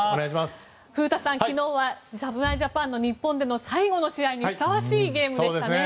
古田さん、昨日は侍ジャパンの日本での最後の試合にふさわしいゲームでしたね。